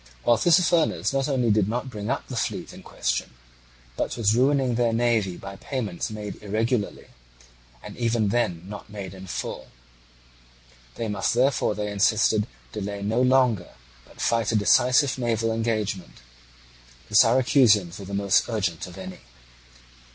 While Tissaphernes not only did not bring up the fleet in question, but was ruining their navy by payments made irregularly, and even then not made in full. They must therefore, they insisted, delay no longer, but fight a decisive naval engagement. The Syracusans were the most urgent of any.